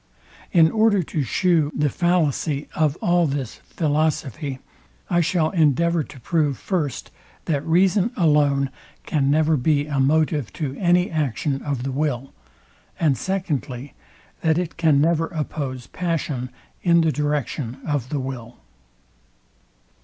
In order to shew the fallacy of all this philosophy, I shall endeavour to prove first, that reason alone can never be a motive to any action of the will; and secondly, that it can never oppose passion in the direction of the will.